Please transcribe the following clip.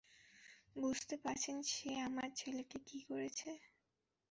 বুঝতে পারছেন সে আমার ছেলেকে কী করেছে?